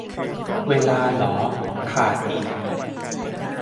เวลา เหรอ ขาดอีก